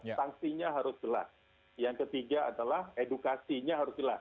sanksinya harus jelas yang ketiga adalah edukasinya harus jelas